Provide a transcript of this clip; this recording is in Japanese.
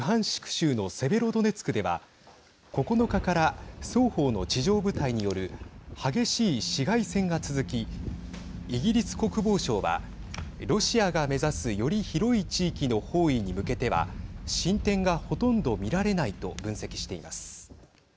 州のセベロドネツクでは９日から双方の地上部隊による激しい市街戦が続きイギリス国防省はロシアが目指すより広い地域の包囲に向けては進展が、ほとんど見られないと分析しています。